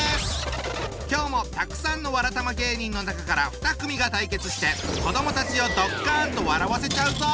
今日もたくさんのわらたま芸人の中から２組が対決して子どもたちをドッカンと笑わせちゃうぞ！